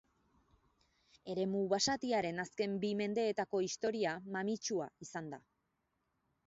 Eremu basatiaren azken bi mendeetako historia mamitsua izan da.